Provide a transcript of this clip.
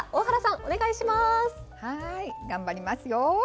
はい頑張りますよ！